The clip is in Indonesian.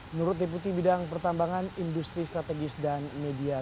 menurut deputi bidang pertambangan industri strategis dan media